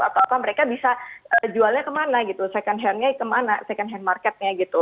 atau apa mereka bisa jualnya kemana gitu second hand nya kemana second hand marketnya gitu